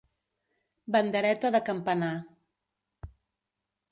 Bandereta de campanar.